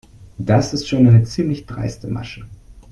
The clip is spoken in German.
Das ist schon eine ziemlich dreiste Masche.